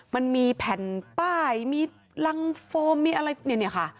มันมีแผ่นป้ายมีรังโฟมมีอะไรเนี่ยค่ะ